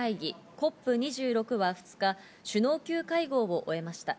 ＣＯＰ２６は２日、首脳級会合を終えました。